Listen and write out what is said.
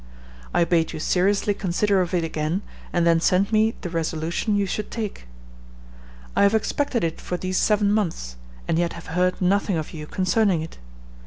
I bade you seriously consider of it again, and then send me the resolution you should take. I have expected it for these seven months, and yet have heard nothing of you concerning it.